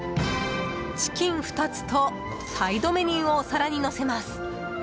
チキン２つとサイドメニューをお皿に乗せます。